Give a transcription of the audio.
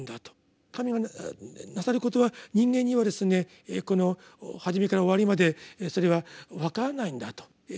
神がなさることは人間にはですねこの始めから終わりまでそれは分からないんだと。